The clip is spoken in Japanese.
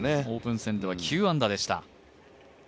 オープン戦では９安打でした。